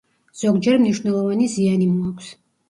ზოგჯერ მნიშვნელოვანი ზიანი მოაქვს.